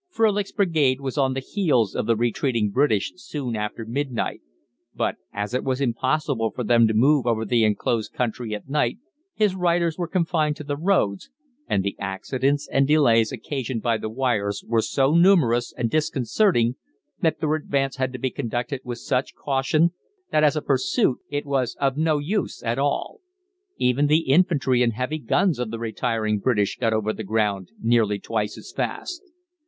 Frölich's brigade was on the heels of the retreating British soon after midnight, but as it was impossible for them to move over the enclosed country at night, his riders were confined to the roads, and the accidents and delays occasioned by the wires were so numerous and disconcerting that their advance had to be conducted with such caution that as a pursuit it was of no use at all. Even the infantry and heavy guns of the retiring British got over the ground nearly twice as fast.